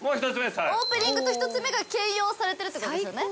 オープニングと１つ目が兼用されてるということですよね？